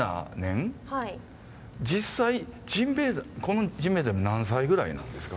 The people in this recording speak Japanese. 実際ジンベエザメこのジンベエザメ何歳ぐらいなんですか？